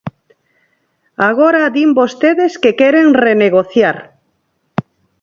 Agora din vostedes que queren renegociar.